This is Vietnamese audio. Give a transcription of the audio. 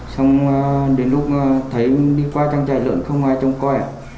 xong đến lúc thấy đi qua trang trại lượn không ai trông coi ạ